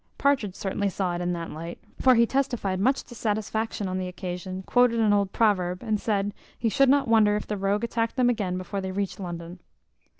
Partridge certainly saw it in that light; for he testified much dissatisfaction on the occasion, quoted an old proverb, and said, he should not wonder if the rogue attacked them again before they reached London.